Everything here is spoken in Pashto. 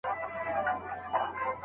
معروف معاشرت باید له منځه ولاړ نه سي.